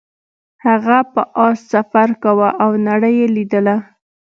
هغه په اس سفر کاوه او نړۍ یې لیدله.